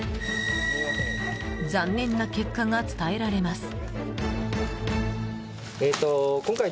残念な結果が伝えられます。